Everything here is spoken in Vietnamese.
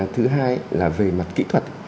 thứ hai là về mặt kỹ thuật